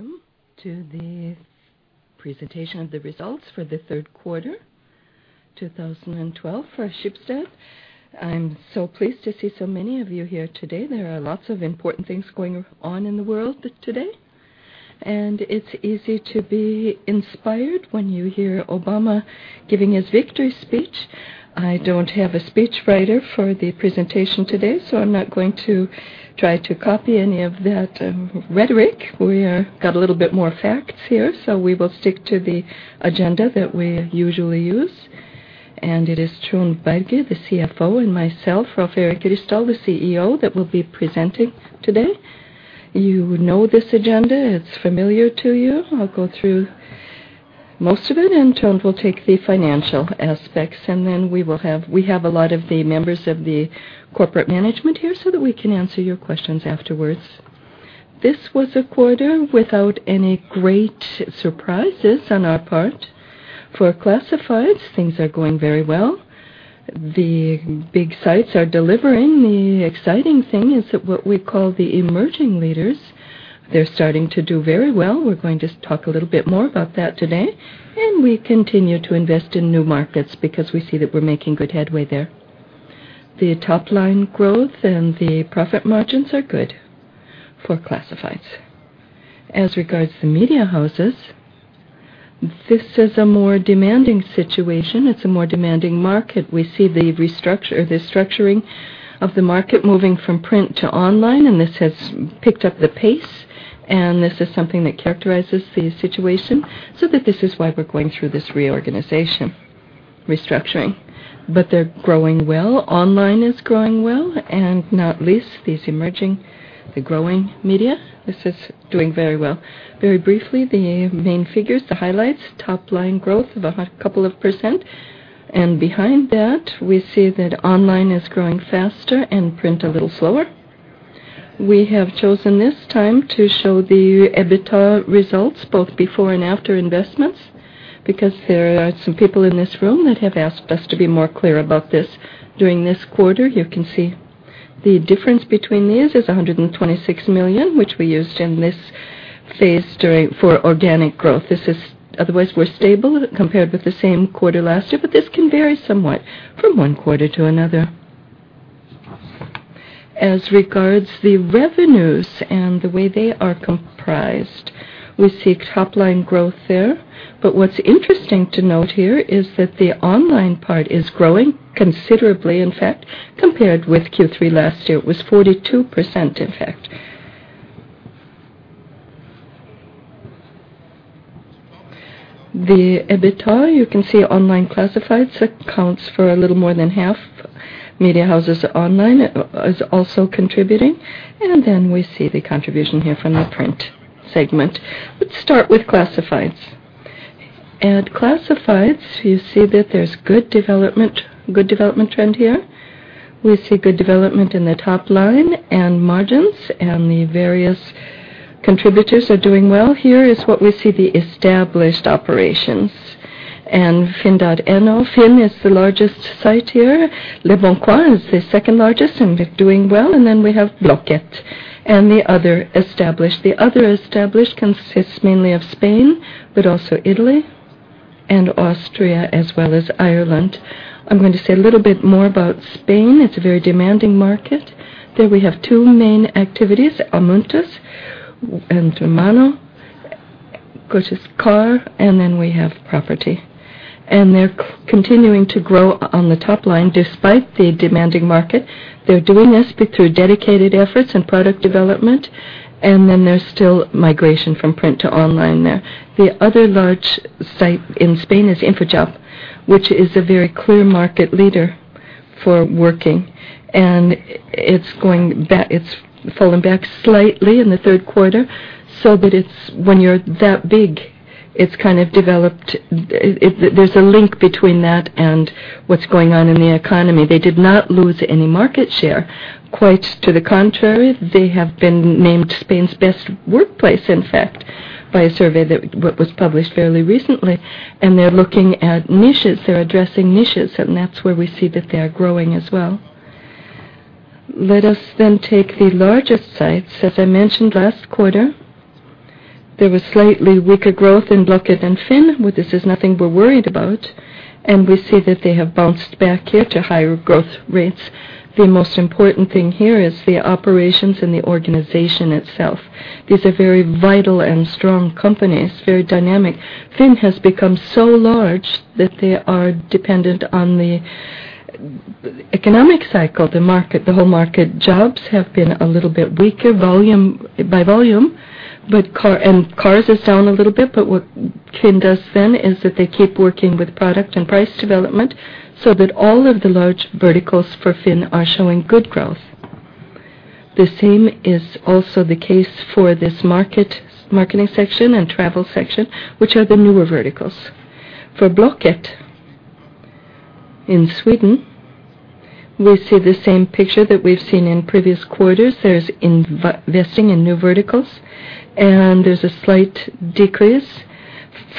Welcome to the presentation of the results for the third quarter 2012 for Schibsted. I'm so pleased to see so many of you here today. There are lots of important things going on in the world today. It's easy to be inspired when you hear Obama giving his victory speech. I don't have a speechwriter for the presentation today. I'm not going to try to copy any of that rhetoric. We got a little bit more facts here. We will stick to the agenda that we usually use. It is Trond Berger, the CFO, and myself, Rolv Erik Ryssdal, the CEO, that will be presenting today. You know this agenda, it's familiar to you. I'll go through most of it. Trond will take the financial aspects. We have a lot of the members of the corporate management here so that we can answer your questions afterwards. This was a quarter without any great surprises on our part. For classifieds, things are going very well. The big sites are delivering. The exciting thing is what we call the emerging leaders. They're starting to do very well. We're going to talk a little bit more about that today. We continue to invest in new markets because we see that we're making good headway there. The top line growth and the profit margins are good for classifieds. As regards to the media houses, this is a more demanding situation. It's a more demanding market. We see the restructuring of the market moving from print to online, and this has picked up the pace. This is something that characterizes the situation, so that this is why we're going through this reorganization restructuring. They're growing well, online is growing well, and not least, these emerging, the growing media. This is doing very well. Very briefly, the main figures, the highlights, top line growth of a couple of %. Behind that, we see that online is growing faster and print a little slower. We have chosen this time to show the EBITDA results, both before and after investments, because there are some people in this room that have asked us to be more clear about this during this quarter. You can see the difference between these is 126 million, which we used in this phase for organic growth. This is. Otherwise, we're stable compared with the same quarter last year, but this can vary somewhat from one quarter to another. As regards the revenues and the way they are comprised, we see top line growth there. What's interesting to note here is that the online part is growing considerably, in fact. Compared with Q3 last year, it was 42%, in fact. The EBITDA, you can see online classifieds accounts for a little more than half. Media houses online is also contributing. Then we see the contribution here from the print segment. Let's start with classifieds. At classifieds, you see that there's good development trend here. We see good development in the top line and margins, and the various contributors are doing well. Here is what we see the established operations. FINN.no, FINN is the largest site here. Le Bon Coin is the second largest, and they're doing well. We have Blocket and the other established. The other established consists mainly of Spain, but also Italy and Austria, as well as Ireland. I'm going to say a little bit more about Spain. It's a very demanding market. There we have two main activities, Anuntis and Segundamano, of course, it's car, and then we have property. They're continuing to grow on the top line despite the demanding market. They're doing this through dedicated efforts and product development, and then there's still migration from print to online there. The other large site in Spain is InfoJobs, which is a very clear market leader for working. It's fallen back slightly in the third quarter. When you're that big, it's kind of developed. There's a link between that and what's going on in the economy. They did not lose any market share. Quite to the contrary, they have been named Spain's best workplace, in fact, by a survey published fairly recently. They're looking at niches, they're addressing niches, and that's where we see that they are growing as well. Let us take the largest sites. As I mentioned last quarter, there was slightly weaker growth in Blocket and FINN. Well, this is nothing we're worried about, and we see that they have bounced back here to higher growth rates. The most important thing here is the operations in the organization itself. These are very vital and strong companies, very dynamic. FINN has become so large that they are dependent on the economic cycle, the market, the whole market. Jobs have been a little bit weaker volume, by volume. Cars is down a little bit. What FINN does then is that they keep working with product and price development so that all of the large verticals for FINN are showing good growth. The same is also the case for this market, marketing section and travel section, which are the newer verticals. For Blocket in Sweden, we see the same picture that we've seen in previous quarters. There's investing in new verticals. There's a slight decrease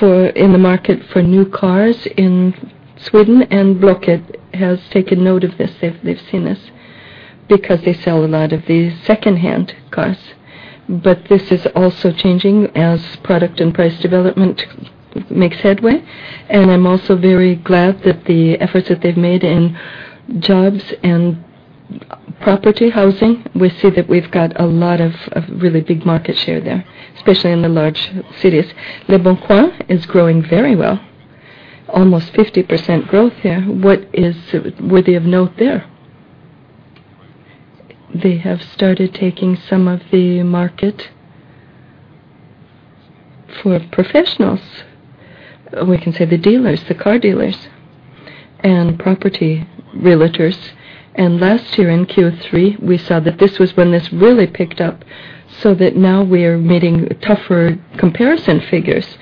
in the market for new cars in Sweden. Blocket has taken note of this. They've seen this. They sell a lot of the second-hand cars. This is also changing as product and price development makes headway. I'm also very glad that the efforts that they've made in jobs and property, housing, we see that we've got a lot of really big market share there, especially in the large cities. Leboncoin is growing very well, almost 50% growth there. What is worthy of note there? They have started taking some of the market for professionals. We can say the dealers, the car dealers, and property realtors. Last year in Q3, we saw that this was when this really picked up, so that now we are meeting tougher comparison figures.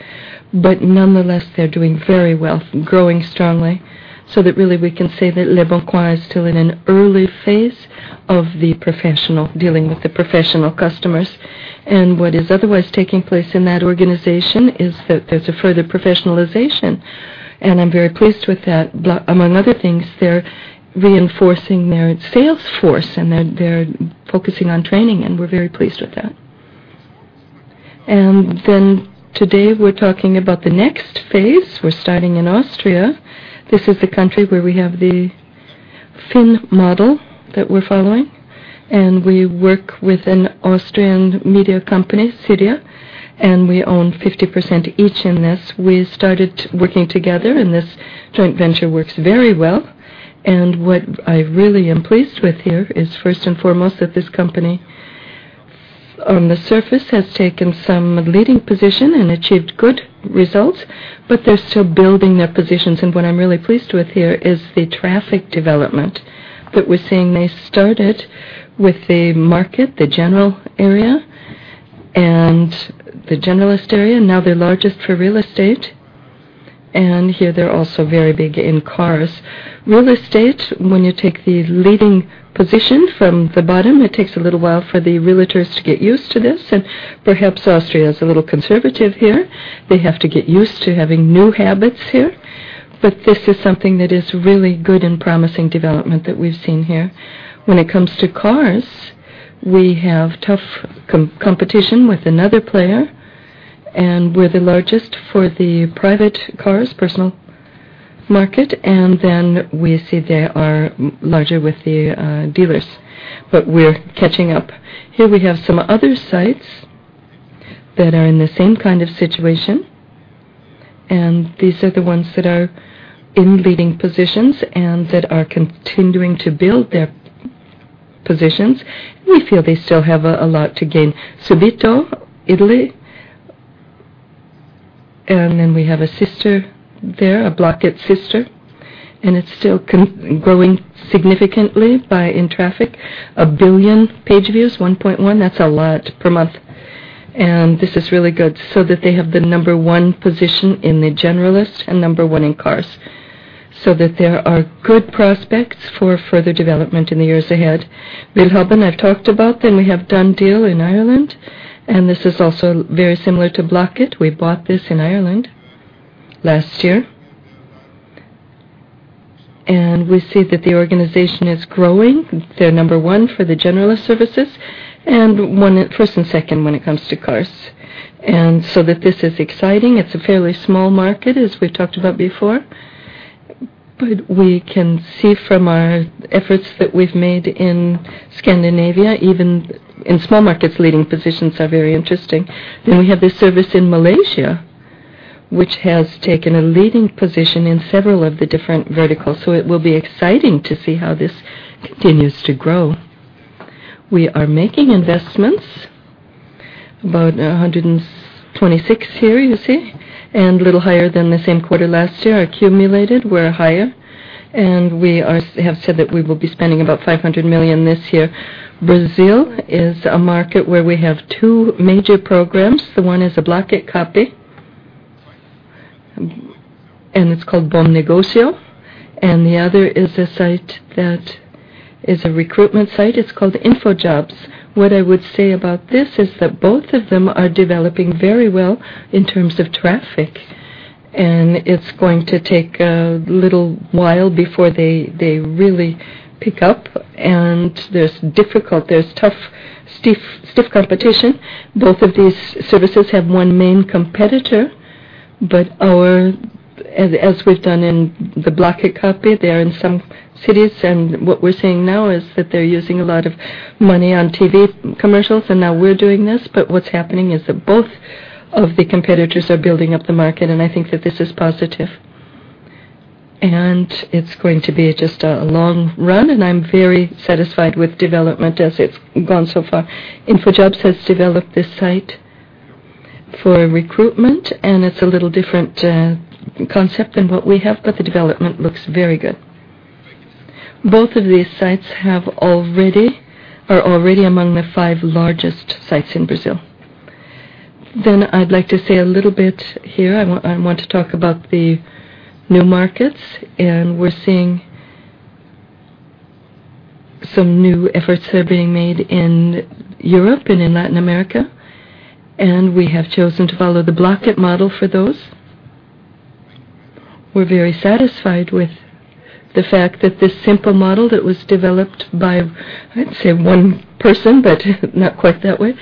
But nonetheless, they're doing very well, growing strongly, so that really we can say that Leboncoin is still in an early phase of the professional dealing with the professional customers. What is otherwise taking place in that organization is that there's a further professionalization, and I'm very pleased with that. Among other things, they're reinforcing their sales force and they're focusing on training, and we're very pleased with that. Today we're talking about the next phase. We're starting in Austria. This is the country where we have the FINN model that we're following. We work with an Austrian media company, Styria, and we own 50% each in this. We started working together and this joint venture works very well. What I really am pleased with here is, first and foremost, that this company on the surface has taken some leading position and achieved good results, but they're still building their positions. What I'm really pleased with here is the traffic development that we're seeing. They started with the market, the general area and the generalist area. Now they're largest for real estate, and here they're also very big in cars. Real estate, when you take the leading position from the bottom, it takes a little while for the realtors to get used to this. Perhaps Austria is a little conservative here. They have to get used to having new habits here. This is something that is really good and promising development that we've seen here. When it comes to cars, we have tough competition with another player. We're the largest for the private cars, personal market. We see they are larger with the dealers. We're catching up. Here we have some other sites that are in the same kind of situation. These are the ones that are in leading positions and that are continuing to build their positions. We feel they still have a lot to gain. Subito, Italy. Then we have a sister there, a Blocket sister, it's still growing significantly in traffic. 1 billion page views, 1.1, that's a lot per month. This is really good, so that they have the number 1 position in the generalist and number 1 in cars, so that there are good prospects for further development in the years ahead. Bilbasen, I've talked about. We have DoneDeal in Ireland, this is also very similar to Blocket. We bought this in Ireland last year. We see that the organization is growing. They're number 1 for the generalist services and first and second when it comes to cars. This is exciting. It's a fairly small market, as we've talked about before, but we can see from our efforts that we've made in Scandinavia, even in small markets, leading positions are very interesting. We have this service in Malaysia, which has taken a leading position in several of the different verticals, so it will be exciting to see how this continues to grow. We are making investments, about 166 here, you see, and a little higher than the same quarter last year. Accumulated, we're higher, and we have said that we will be spending about 500 million this year. Brazil is a market where we have two major programs. The one is a Blocket copy, and it's called Bom Negócio, and the other is a site that is a recruitment site, it's called InfoJobs. What I would say about this is that both of them are developing very well in terms of traffic, and it's going to take a little while before they really pick up. There's tough, stiff competition. Both of these services have one main competitor, but as we've done in the Blocket copy, they are in some cities, and what we're seeing now is that they're using a lot of money on TV commercials, and now we're doing this. What's happening is that both of the competitors are building up the market, and I think that this is positive. It's going to be just a long run, and I'm very satisfied with development as it's gone so far. InfoJobs has developed this site for recruitment, and it's a little different, concept than what we have, but the development looks very good. Both of these sites are already among the five largest sites in Brazil. I'd like to say a little bit here. I want to talk about the new markets, and we're seeing some new efforts are being made in Europe and in Latin America, and we have chosen to follow the Blocket model for those. We're very satisfied with the fact that this simple model that was developed by, I'd say one person, but not quite that way,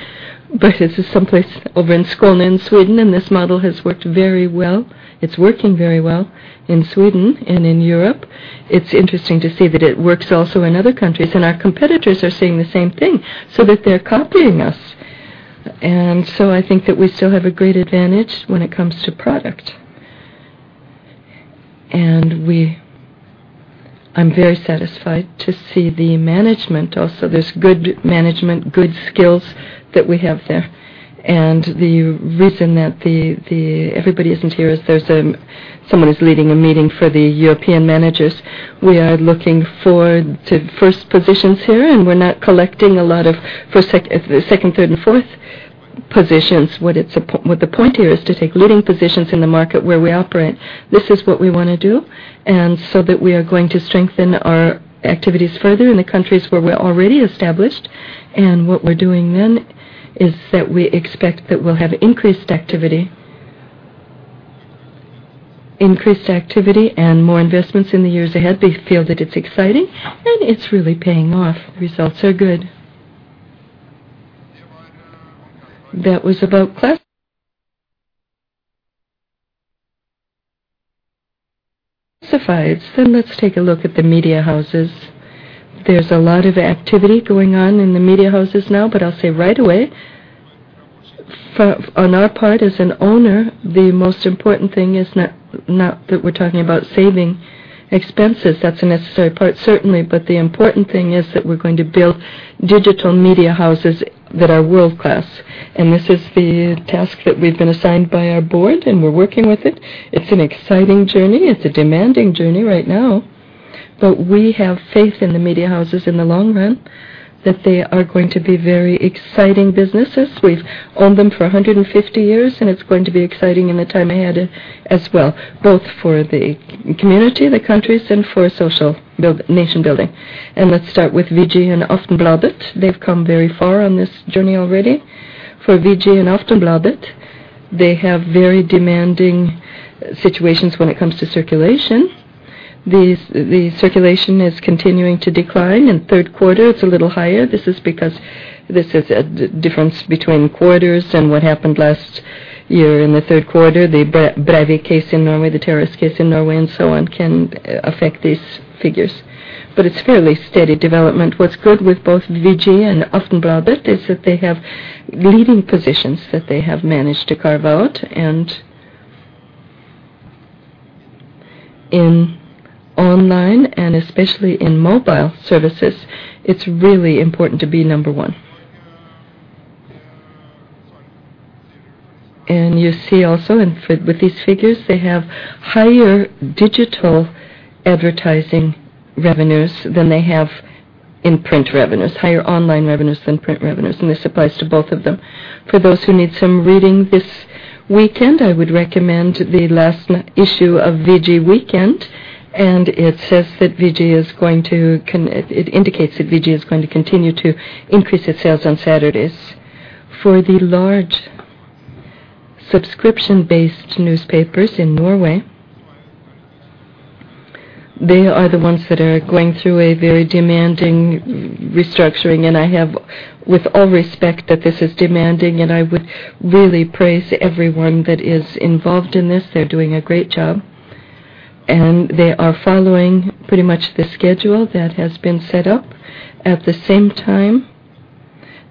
but it's someplace over in Skåne in Sweden, and this model has worked very well. It's working very well in Sweden and in Europe. It's interesting to see that it works also in other countries, and our competitors are saying the same thing so that they're copying us. I think that we still have a great advantage when it comes to product. I'm very satisfied to see the management also. There's good management, good skills that we have there. The reason that everybody isn't here is there's someone who's leading a meeting for the European managers. We are looking forward to first positions here, and we're not collecting a lot of first, second, third, and fourth positions. What the point here is to take leading positions in the market where we operate. This is what we wanna do, and so that we are going to strengthen our activities further in the countries where we're already established. What we're doing then is that we expect that we'll have increased activity. Increased activity and more investments in the years ahead. They feel that it's exciting, and it's really paying off. Results are good. That was about classifieds. Let's take a look at the media houses. There's a lot of activity going on in the media houses now, I'll say right away, on our part as an owner, the most important thing is not that we're talking about saving expenses. That's a necessary part, certainly, the important thing is that we're going to build digital media houses that are world-class. This is the task that we've been assigned by our board, we're working with it. It's an exciting journey. It's a demanding journey right now. We have faith in the media houses in the long run, that they are going to be very exciting businesses. We've owned them for 150 years, it's going to be exciting in the time ahead as well, both for the community, the countries, and for social nation-building. Let's start with VG and Aftenbladet. They've come very far on this journey already. For VG and Aftenbladet, they have very demanding situations when it comes to circulation. The circulation is continuing to decline. In third quarter, it's a little higher. This is because this is a difference between quarters and what happened last year in the third quarter. The Breivik case in Norway, the terrorist case in Norway and so on can affect these figures, it's fairly steady development. What's good with both VG and Aftenbladet is that they have leading positions that they have managed to carve out. In online, and especially in mobile services, it's really important to be number one. You see also with these figures, they have higher digital advertising revenues than they have in print revenues, higher online revenues than print revenues, and this applies to both of them. For those who need some reading this weekend, I would recommend the last issue of VG Helg. It indicates that VG is going to continue to increase its sales on Saturdays. For the large subscription-based newspapers in Norway, they are the ones that are going through a very demanding restructuring. With all respect that this is demanding, I would really praise everyone that is involved in this. They're doing a great job, and they are following pretty much the schedule that has been set up. At the same time,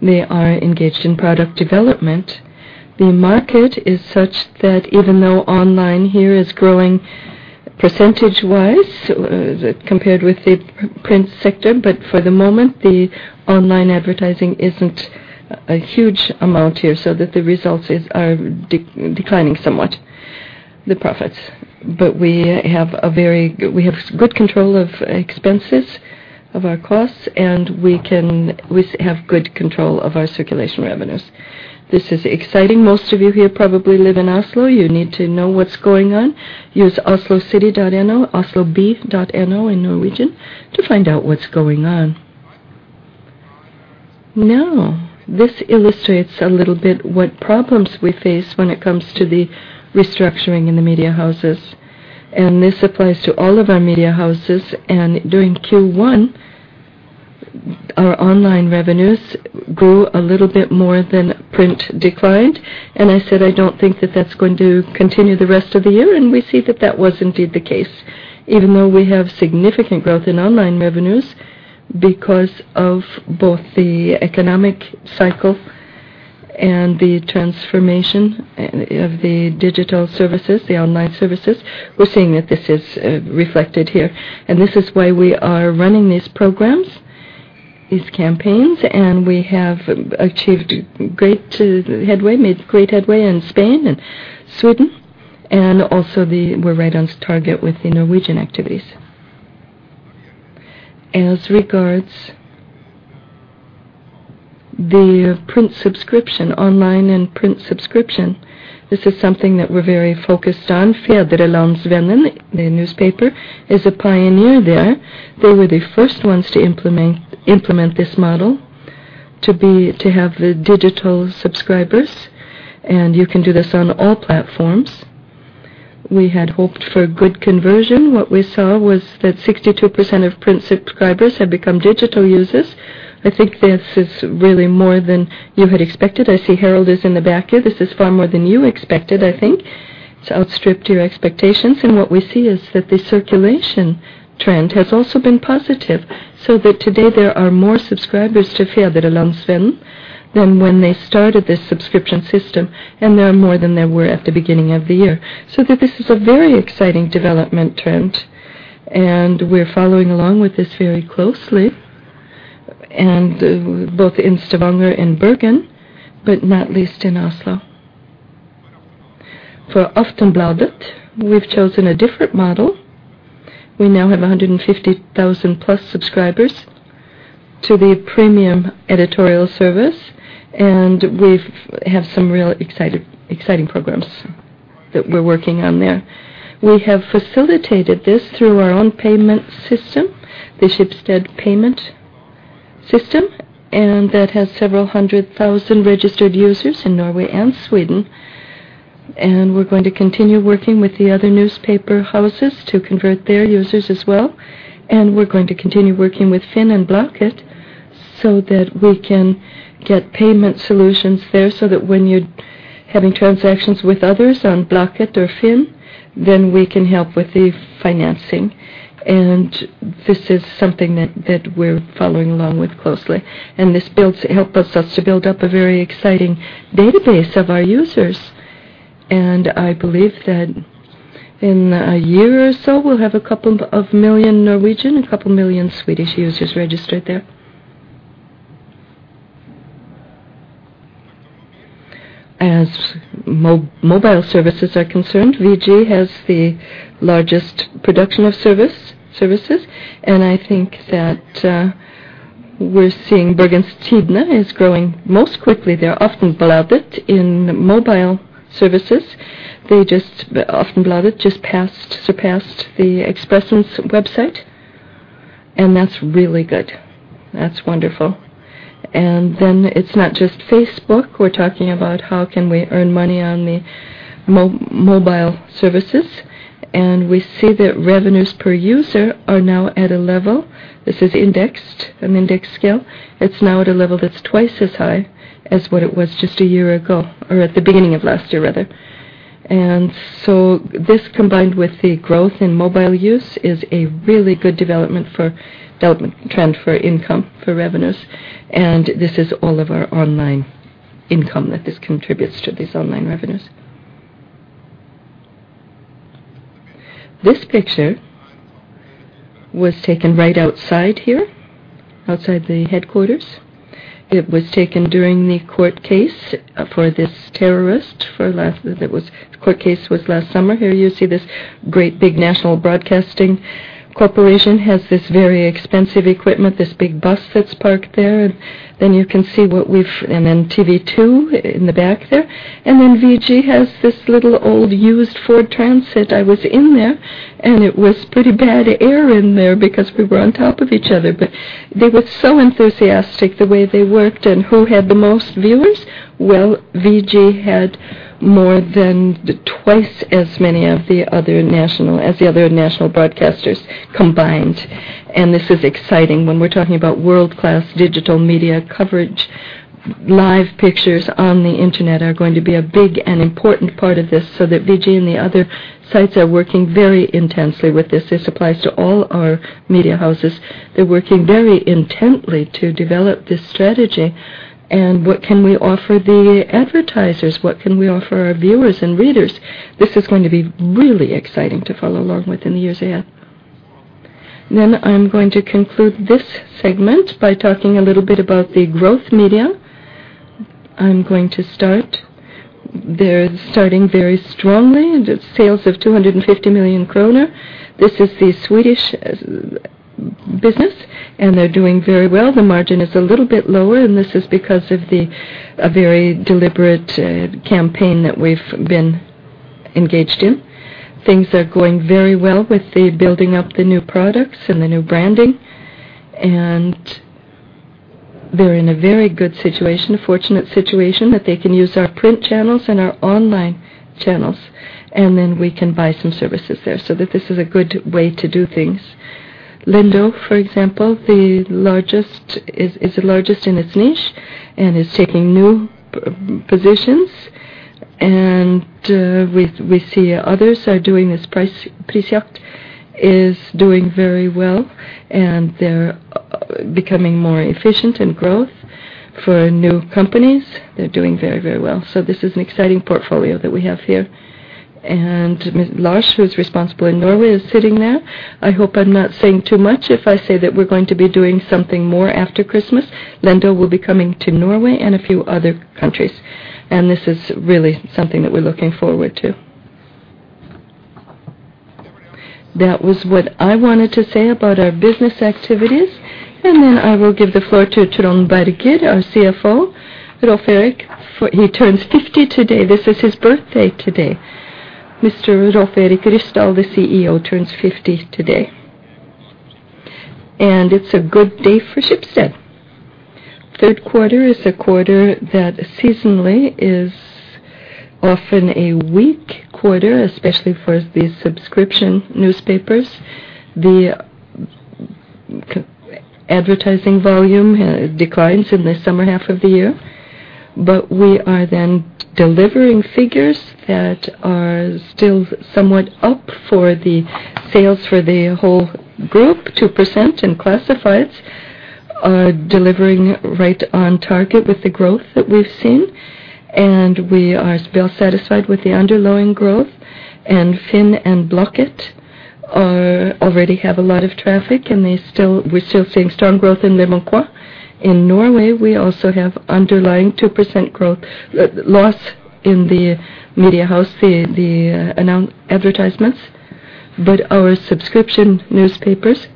they are engaged in product development. The market is such that even though online here is growing percentage-wise, compared with the print sector, for the moment, the online advertising isn't a huge amount here, so that the results are declining somewhat, the profits. We have a very good control of expenses, of our costs, and we have good control of our circulation revenues. This is exciting. Most of you here probably live in Oslo. You need to know what's going on. Use oslocity.no, osloby.no in Norwegian, to find out what's going on. This illustrates a little bit what problems we face when it comes to the restructuring in the media houses, and this applies to all of our media houses. During Q1, our online revenues grew a little bit more than print declined. I said, I don't think that that's going to continue the rest of the year, and we see that that was indeed the case. Even though we have significant growth in online revenues because of both the economic cycle and the transformation of the digital services, the online services, we're seeing that this is reflected here. This is why we are running these programs, these campaigns, and we have achieved great headway, made great headway in Spain and Sweden, and also we're right on target with the Norwegian activities. As regards the print subscription, online and print subscription, this is something that we're very focused on. Fædrelandsvennen, the newspaper, is a pioneer there. They were the first ones to implement this model. To have the digital subscribers, and you can do this on all platforms. We had hoped for a good conversion. What we saw was that 62% of print subscribers have become digital users. I think this is really more than you had expected. I see Harald is in the back here. This is far more than you expected, I think. It's outstripped your expectations. What we see is that the circulation trend has also been positive, so that today there are more subscribers to Fædrelandsvennen than when they started this subscription system, and there are more than there were at the beginning of the year. This is a very exciting development trend, and we're following along with this very closely, and both in Stavanger and Bergen, but not least in Oslo. For Aftenbladet, we've chosen a different model. We now have 150,000+ subscribers to the premium editorial service, and we've have some real exciting programs that we're working on there. We have facilitated this through our own payment system, the Schibsted payment system, that has several hundred thousand registered users in Norway and Sweden. We're going to continue working with the other newspaper houses to convert their users as well. We're going to continue working with FINN and Blocket so that we can get payment solutions there, so that when you're having transactions with others on Blocket or FINN, then we can help with the financing. This is something that we're following along with closely. This helps us to build up a very exciting database of our users. I believe that in a year or so, we'll have a couple of million Norwegian, a couple million Swedish users registered there. As mobile services are concerned, VG has the largest production of services. I think that we're seeing Bergens Tidende is growing most quickly. They're Aftenbladet in mobile services. Aftenbladet just passed, surpassed the Expressen's website, and that's really good. That's wonderful. It's not just Facebook. We're talking about how can we earn money on the mobile services. We see that revenues per user are now at a level. This is indexed, an index scale. It's now at a level that's twice as high as what it was just one year ago, or at the beginning of last year, rather. This, combined with the growth in mobile use, is a really good development trend for income, for revenues. This is all of our online income that this contributes to these online revenues. This picture was taken right outside here, outside the headquarters. It was taken during the court case for this terrorist. The court case was last summer. Here you see this great big national broadcasting corporation, has this very expensive equipment, this big bus that's parked there. You can see TV 2 in the back there. VG has this little old used Ford Transit. I was in there, and it was pretty bad air in there because we were on top of each other. They were so enthusiastic the way they worked. Who had the most viewers? Well, VG had more than twice as many as the other national broadcasters combined. This is exciting. When we're talking about world-class digital media coverage, live pictures on the Internet are going to be a big and important part of this, so that VG and the other sites are working very intensely with this. This applies to all our media houses. They're working very intently to develop this strategy. What can we offer the advertisers? What can we offer our viewers and readers? This is going to be really exciting to follow along with in the years ahead. I'm going to conclude this segment by talking a little bit about the growth media. I'm going to start. They're starting very strongly into sales of 250 million kroner. This is the Swedish business, and they're doing very well. The margin is a little bit lower, and this is because of a very deliberate campaign that we've been engaged in. Things are going very well with the building up the new products and the new branding, they're in a very good situation, a fortunate situation that they can use our print channels and our online channels, we can buy some services there. That this is a good way to do things. Lendo, for example, is the largest in its niche and is taking new positions. We see others are doing this. Prisjakt is doing very well, and they're becoming more efficient in growth. For new companies, they're doing very well. This is an exciting portfolio that we have here. Lars, who is responsible in Norway, is sitting there. I hope I'm not saying too much if I say that we're going to be doing something more after Christmas. Lendo will be coming to Norway and a few other countries, and this is really something that we're looking forward to. That was what I wanted to say about our business activities, and then I will give the floor to Trond Berger, our CFO. Rolv Erik, he turns 50 today. This is his birthday today. Mr. Rolv Erik Ryssdal, the CEO, turns 50 today. It's a good day for Schibsted. Third quarter is a quarter that seasonally is often a weak quarter, especially for the subscription newspapers. The advertising volume declines in the summer half of the year. We are then delivering figures that are still somewhat up for the sales for the whole group, 2% in classifieds are delivering right on target with the growth that we've seen. We are still satisfied with the underlying growth. FINN and Blocket are already have a lot of traffic, we're still seeing strong growth in Le Monde. In Norway, we also have underlying 2% growth, loss in the media house, the advertisements. Our subscription newspapers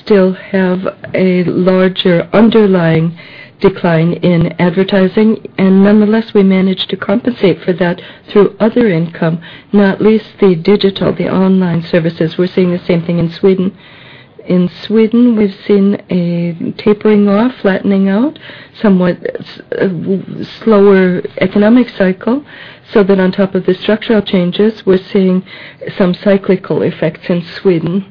still have a larger underlying decline in advertising. Nonetheless, we managed to compensate for that through other income, not least the digital, the online services. We're seeing the same thing in Sweden. In Sweden, we've seen a tapering off, flattening out, somewhat a slower economic cycle, so that on top of the structural changes, we're seeing some cyclical effects in Sweden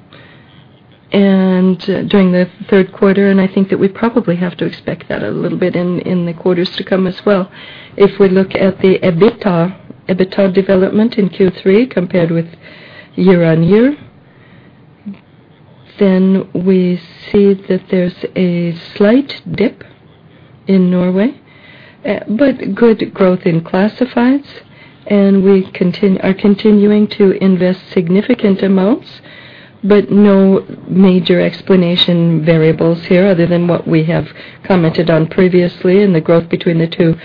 during Q3, and I think that we probably have to expect that a little bit in the quarters to come as well. If we look at the EBITDA development in Q3 compared with year-on-year, we see that there's a slight dip in Norway, but good growth in classifieds, and we are continuing to invest significant amounts. No major explanation variables here other than what we have commented on previously in the growth between the two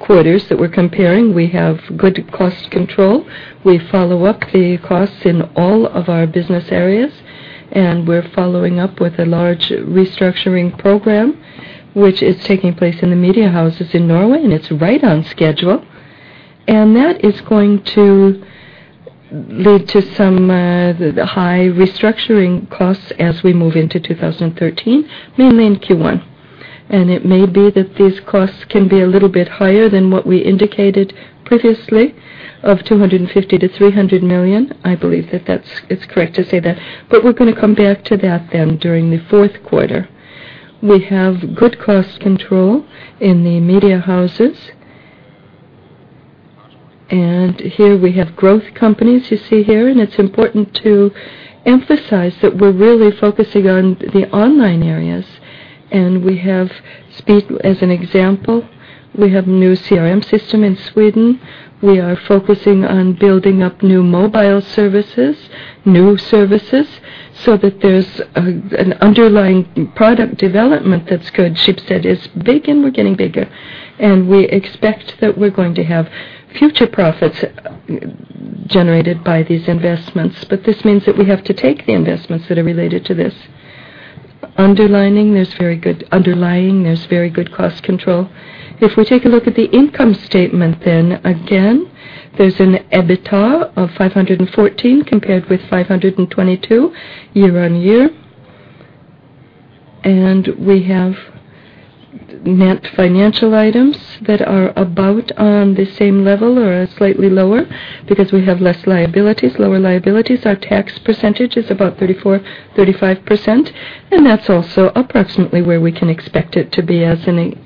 quarters that we're comparing. We have good cost control. We follow up the costs in all of our business areas, and we're following up with a large restructuring program, which is taking place in the media houses in Norway, and it's right on schedule. That is going to lead to some high restructuring costs as we move into 2013, mainly in Q1. It may be that these costs can be a little bit higher than what we indicated previously, of 250 million-300 million. I believe that that's, it's correct to say that. We're going to come back to that then during Q4. We have good cost control in the media houses. Here we have growth companies. It's important to emphasize that we're really focusing on the online areas. We have Speek as an example. We have new CRM system in Sweden. We are focusing on building up new mobile services, new services, so that there's an underlying product development that's good. Schibsted is big, and we're getting bigger, and we expect that we're going to have future profits generated by these investments. This means that we have to take the investments that are related to this. Underlying, there's very good cost control. If we take a look at the income statement, then again, there's an EBITDA of 514 compared with 522 year-on-year. We have net financial items that are about on the same level or slightly lower because we have less liabilities, lower liabilities. Our tax percentage is about 34%-35%, that's also approximately where we can expect it to be as a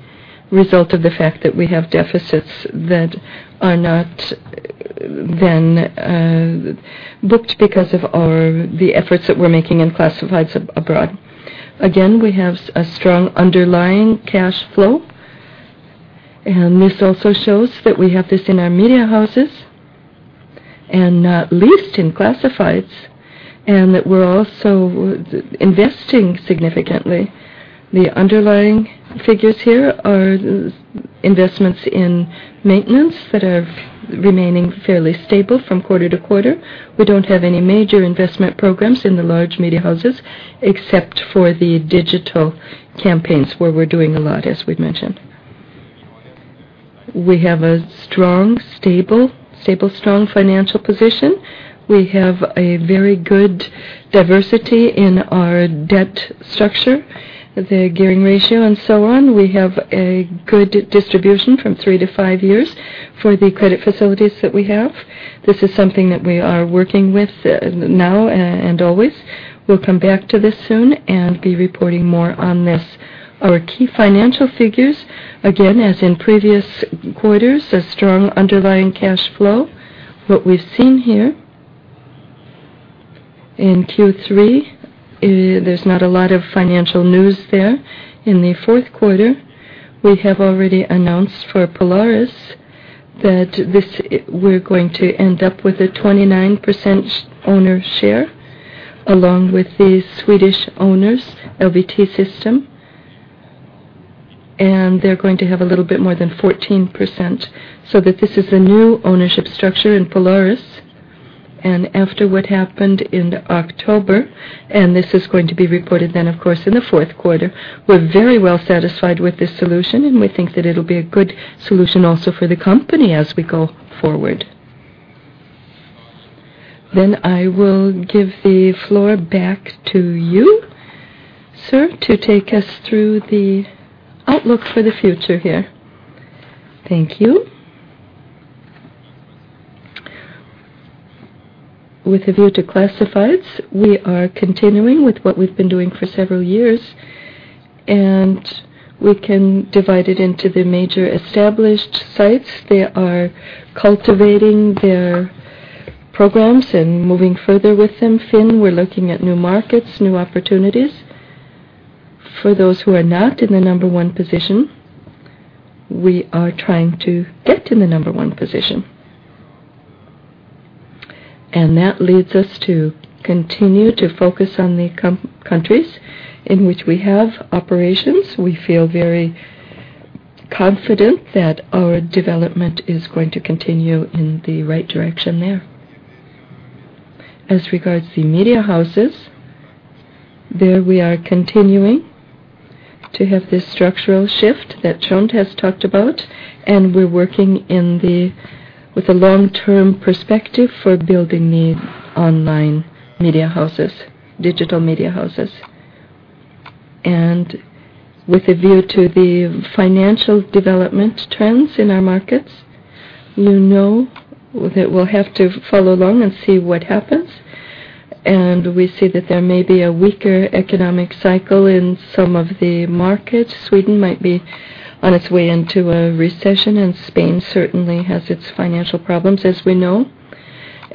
result of the fact that we have deficits that are not then booked because of the efforts that we're making in classifieds abroad. Again, we have a strong underlying cash flow, this also shows that we have this in our media houses and not least in classifieds, and that we're also investing significantly. The underlying figures here are investments in maintenance that are remaining fairly stable from quarter to quarter. We don't have any major investment programs in the large media houses, except for the digital campaigns, where we're doing a lot, as we've mentioned. We have a strong, stable, strong financial position. We have a very good diversity in our debt structure, the gearing ratio and so on. We have a good distribution from 3 to 5 years for the credit facilities that we have. This is something that we are working with now and always. We'll come back to this soon and be reporting more on this. Our key financial figures, again, as in previous quarters, a strong underlying cash flow. What we've seen here in Q3, there's not a lot of financial news there. In the fourth quarter, we have already announced for Polaris that we're going to end up with a 29% owner share along with the Swedish owners, LVT System. They're going to have a little bit more than 14%, so that this is a new ownership structure in Polaris. After what happened in October, and this is going to be reported then, of course, in the fourth quarter, we're very well satisfied with this solution, and we think that it'll be a good solution also for the company as we go forward. I will give the floor back to you, sir, to take us through the outlook for the future here. Thank you. With a view to classifieds, we are continuing with what we've been doing for several years, and we can divide it into the major established sites. They are cultivating their programs and moving further with them. FINN, we're looking at new markets, new opportunities. For those who are not in the number one position, we are trying to get in the number one position. That leads us to continue to focus on the countries in which we have operations. We feel very confident that our development is going to continue in the right direction there. As regards the media houses, there we are continuing to have this structural shift that Trond has talked about, and we're working with a long-term perspective for building the online media houses, digital media houses. With a view to the financial development trends in our markets, you know that we'll have to follow along and see what happens. We see that there may be a weaker economic cycle in some of the markets. Sweden might be on its way into a recession, and Spain certainly has its financial problems, as we know.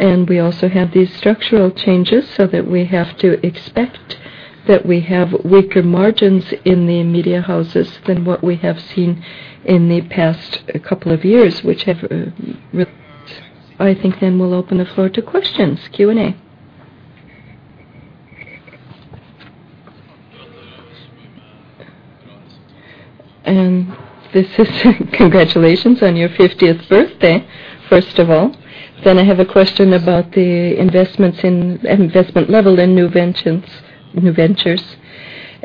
We also have these structural changes so that we have to expect that we have weaker margins in the media houses than what we have seen in the past couple of years, which have... I think we'll open the floor to questions, Q&A. This is congratulations on your 50th birthday, first of all. I have a question about the investment level in new ventures.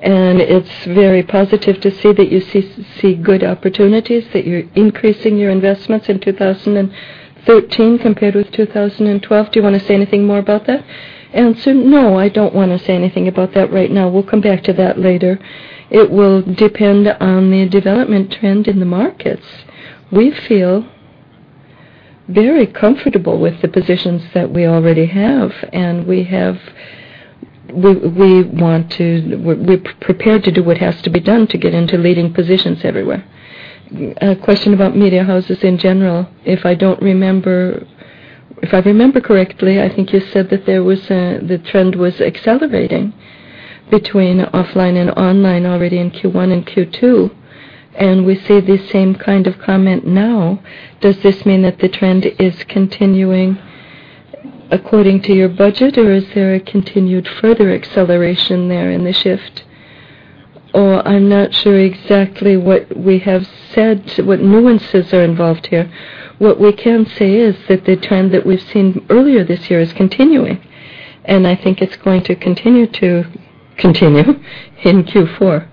It's very positive to see that you see good opportunities, that you're increasing your investments in 2013 compared with 2012. Do you wanna say anything more about that? No, I don't wanna say anything about that right now. We'll come back to that later. It will depend on the development trend in the markets. We feel very comfortable with the positions that we already have, and we're prepared to do what has to be done to get into leading positions everywhere. A question about media houses in general. If I remember correctly, I think you said that there was the trend was accelerating between offline and online already in Q1 and Q2, and we see the same kind of comment now. Does this mean that the trend is continuing according to your budget, or is there a continued further acceleration there in the shift? I'm not sure exactly what we have said, what nuances are involved here. What we can say is that the trend that we've seen earlier this year is continuing, and I think it's going to continue to continue in Q4,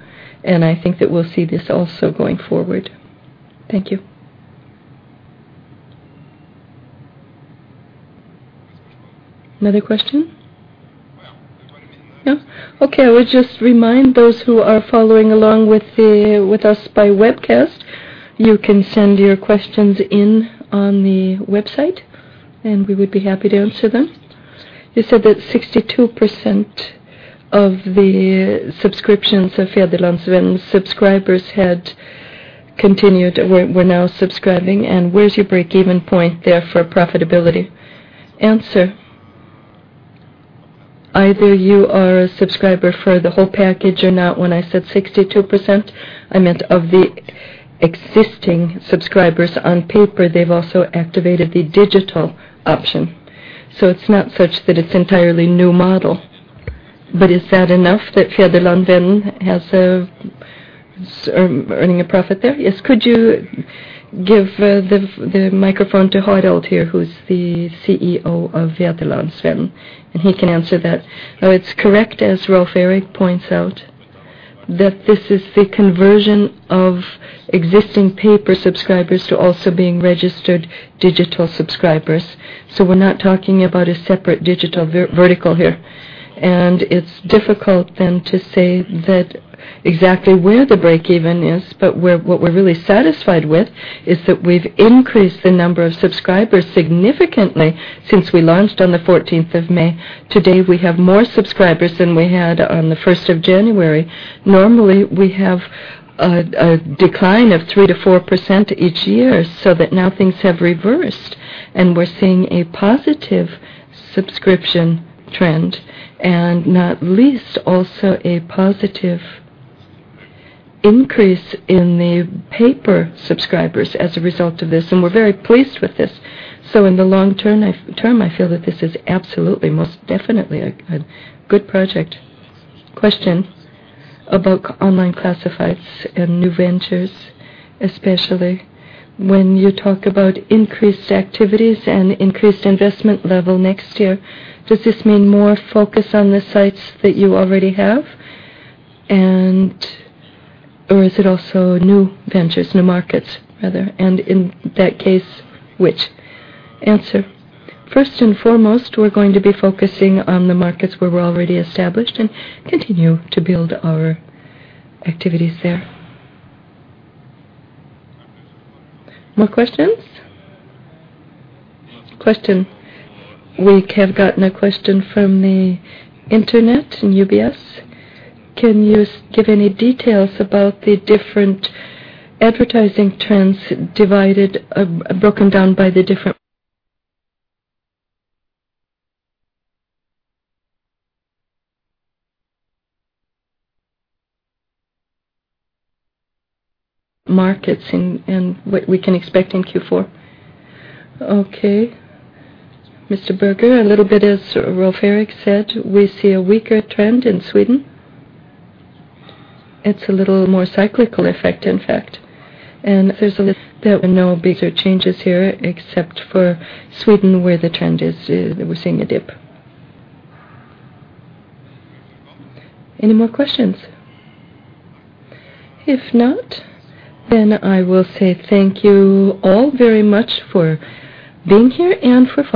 and I think that we'll see this also going forward. Thank you. Another question? No? Okay, I would just remind those who are following along with us by webcast, you can send your questions in on the website, and we would be happy to answer them. You said that 62% of the subscriptions of Fædrelandsvennen subscribers had continued or were now subscribing. Where's your break-even point there for profitability? Answer: Either you are a subscriber for the whole package or not. When I said 62%, I meant of the existing subscribers on paper, they've also activated the digital option. It's not such that it's entirely new model. Is that enough that Fædrelandsvennen is earning a profit there? Yes. Could you give the microphone to Harold here, who's the CEO of Fædrelandsvennen, and he can answer that. It's correct, as Rolf Erik points out, that this is the conversion of existing paper subscribers to also being registered digital subscribers. We're not talking about a separate digital vertical here. It's difficult then to say that exactly where the break even is, what we're really satisfied with is that we've increased the number of subscribers significantly since we launched on the 14th of May. Today, we have more subscribers than we had on the 1st of January. Normally, we have a decline of 3%-4% each year so that now things have reversed, and we're seeing a positive subscription trend and not least also a positive increase in the paper subscribers as a result of this, and we're very pleased with this. In the long term, I feel that this is absolutely, most definitely a good project. Question about online classifieds and new ventures, especially when you talk about increased activities and increased investment level next year. Does this mean more focus on the sites that you already have or is it also new ventures, new markets, rather? In that case, which? Answer: First and foremost, we're going to be focusing on the markets where we're already established and continue to build our activities there. More questions? Question. We have gotten a question from the internet and UBS. Can you give any details about the different advertising trends divided, broken down by the different markets and what we can expect in Q4? Okay. Mr. Berger, a little bit as Rolf Erik said, we see a weaker trend in Sweden. It's a little more cyclical effect, in fact. There were no bigger changes here except for Sweden, where the trend is, we're seeing a dip. Any more questions? If not, I will say thank you all very much for being here and for following.